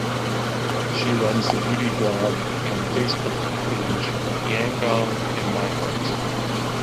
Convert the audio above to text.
She runs the beauty blog and Facebook page "Yangon In My Heart".